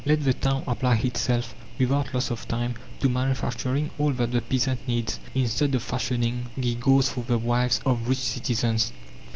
Let the town apply itself, without loss of time, to manufacturing all that the peasant needs, instead of fashioning geegaws for the wives of rich citizens.